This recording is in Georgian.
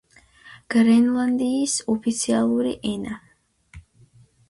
გრენლანდიის ოფიციალური ენა.